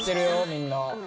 みんな。